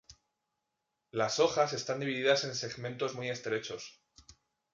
Las hojas están divididas en segmentos muy estrechos.